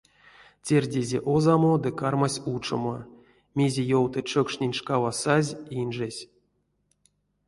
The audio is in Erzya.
Тердизе озамо ды кармась учомо, мезе ёвты чокшнень шкава сазь инжесь.